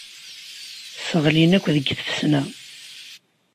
Sseɣlin-ak deg tfesna.